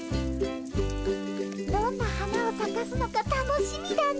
どんな花をさかすのか楽しみだね。